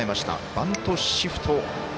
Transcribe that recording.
バントシフト。